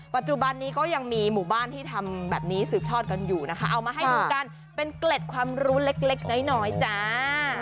ปัจจุบันนี้ก็ยังมีหมู่บ้านที่ทำแบบนี้สืบทอดกันอยู่นะคะเอามาให้ดูกันเป็นเกล็ดความรู้เล็กน้อยจ้า